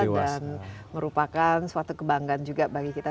dan merupakan suatu kebanggaan juga bagi kita